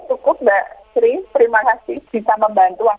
terima kasih bisa membantu